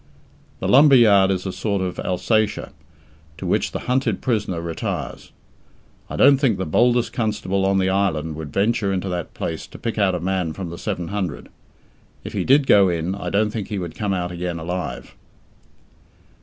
The Lumber Yard is a sort of Alsatia, to which the hunted prisoner retires. I don't think the boldest constable on the island would venture into that place to pick out a man from the seven hundred. If he did go in I don't think he would come out again alive.